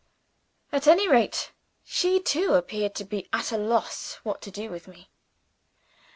At any rate, she too appeared to be at a loss what to do with me.